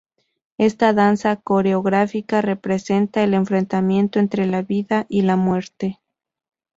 Esta danza coreográfica representa el enfrentamiento entre la vida y la muerte.